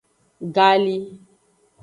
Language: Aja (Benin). Gali.